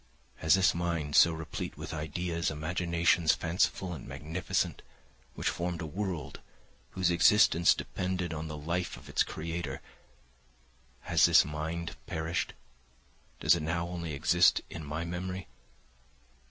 Has this mind, so replete with ideas, imaginations fanciful and magnificent, which formed a world, whose existence depended on the life of its creator;—has this mind perished? Does it now only exist in my memory?